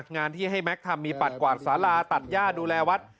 งานที่ให้แม็กซ์ทำมีปัดกวาดสาราตัดย่าดูแลวัด